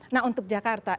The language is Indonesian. nah untuk jakarta